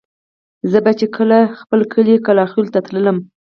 زه به چې کله خپل کلي کلاخېلو ته تللم.